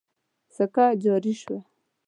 سکه جاري شوه.